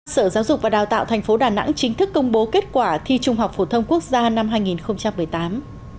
sở giáo dục và đào tạo tp đà nẵng chính thức công bố kết quả thi trung học phổ thông quốc gia năm hai nghìn một mươi tám